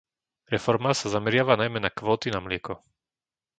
Reforma sa zameriava najmä na kvóty na mlieko.